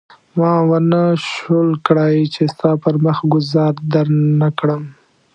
ما ونه شول کړای چې ستا پر مخ ګوزار درنه کړم.